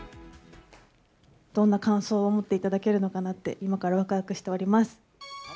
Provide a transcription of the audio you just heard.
どんな感想を持っていただけるのかなって、今からわくわくしております。